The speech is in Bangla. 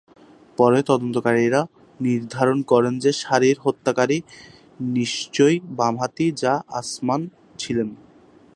পরে তদন্তকারীরা নির্ধারণ করেন যে সারির হত্যাকারী নিশ্চয়ই বামহাতি, যা আসমান ছিলেন।